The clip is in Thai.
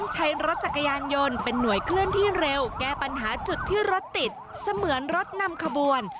ใช้รถจักรยานยนต์เป็นหน่วยเคลื่อนที่เร็วแก้ปัญหาจุดที่รถติดเสมือนรถนำขบวน